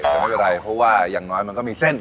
ผมไม่เป็นไรเพราะว่าอย่างน้อยมันก็มีเส้น